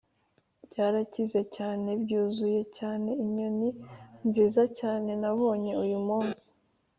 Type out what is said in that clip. "byarakize cyane, byuzuye, cyane, inyoni nziza cyane nabonye uyumunsi